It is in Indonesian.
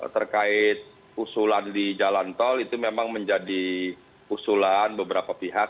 terkait usulan di jalan tol itu memang menjadi usulan beberapa pihak